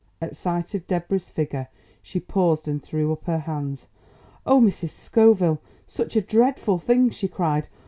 At sight of Deborah's figure, she paused and threw up her hands. "Oh, Mrs. Scoville, such a dreadful thing!" she cried.